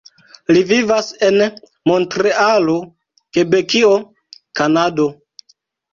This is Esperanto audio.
Li vivas en Montrealo, Kebekio, Kanado.